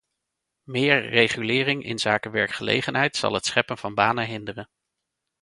Meer regulering inzake werkgelegenheid zal het scheppen van banen hinderen.